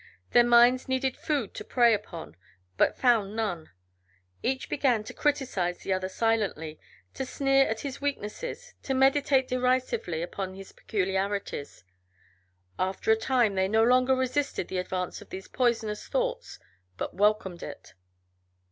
Their minds needed food to prey upon, but found none. Each began to criticize the other silently, to sneer at his weaknesses, to meditate derisively upon his peculiarities. After a time they no longer resisted the advance of these poisonous thoughts, but welcomed it.